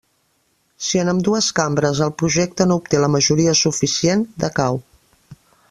Si en ambdues cambres el projecte no obté la majoria suficient, decau.